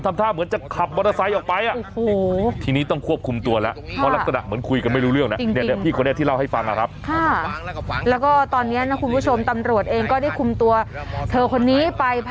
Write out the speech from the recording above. ทำท่าเหมือนจะขับมอเตอร์ไซค์ออกไป